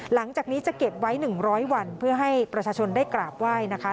หลังจากนี้จะเก็บไว้๑๐๐วันเพื่อให้ประชาชนได้กราบไหว้นะคะ